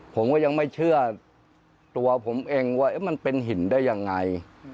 ผมก็ยังไม่เชื่อตัวผมเองว่ามันเป็นหินได้ยังไง